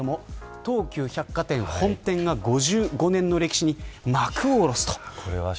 東急百貨店本店が５５年の歴史に幕を下ろすと。